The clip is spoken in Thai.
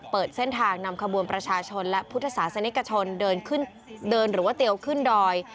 เปิดเส้นทางนำขบวนประชาชนและพุทธศาสนิกชนเดินหรือว่าเตียวขึ้นดอย